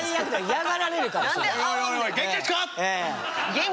嫌がられるからそれ。